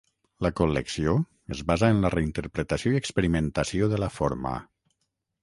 La col·lecció es basa en la reinterpretació i experimentació de la forma.